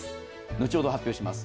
後ほど発表します。